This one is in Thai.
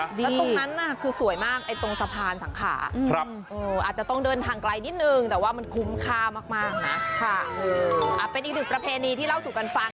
แล้วตรงนั้นน่ะคือสวยมากไอ้ตรงสะพานสังขาอาจจะต้องเดินทางไกลนิดนึงแต่ว่ามันคุ้มค่ามากนะเป็นอีกหนึ่งประเพณีที่เล่าสู่กันฟัง